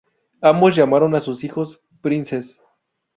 Ambos llamaron a sus hijos "Princess".